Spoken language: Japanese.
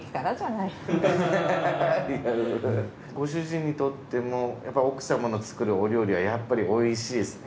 ご主人にとってもやっぱ奥様の作るお料理は美味しいですね。